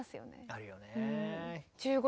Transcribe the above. あるよね。